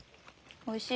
おいしい？